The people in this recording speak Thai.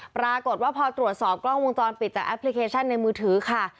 ปรากฏว่าพอตรวจสอบกล้องวงจรปิดจากแอปพลิเคชันในมือถือค่ะ